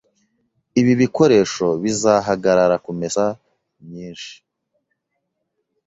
Ibi bikoresho bizahagarara kumesa myinshi.